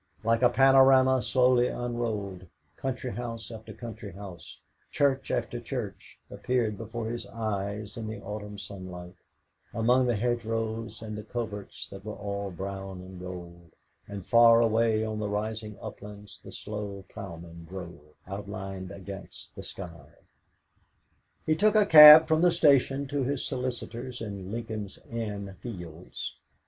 Like a panorama slowly unrolled, country house after country house, church after church, appeared before his eyes in the autumn sunlight, among the hedgerows and the coverts that were all brown and gold; and far away on the rising uplands the slow ploughman drove, outlined against the sky: He took a cab from the station to his solicitors' in Lincoln's Inn Fields.